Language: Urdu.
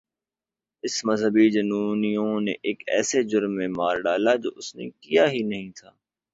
اسے مذہبی جنونیوں نے ایک ایسے جرم میں مار ڈالا جو اس نے کیا ہی نہیں تھا۔